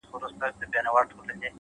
د تمرکز ساتل بریا نږدې کوي؛